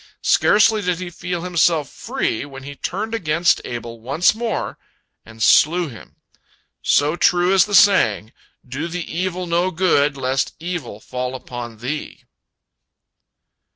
Scarcely did he feel himself free, when he turned against Abel once more, and slew him. So true is the saying, "Do the evil no good, lest evil fall upon thee."